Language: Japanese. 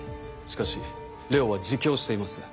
しかしＬＥＯは自供しています。